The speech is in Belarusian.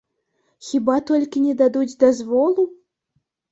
Хіба толькі не дадуць дазволу?